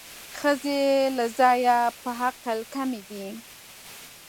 ښځې له ځایه په عقل کمې دي